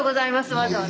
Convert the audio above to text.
わざわざ。